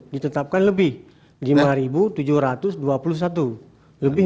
ditetapkan lebih lima tujuh ratus dua puluh satu lebih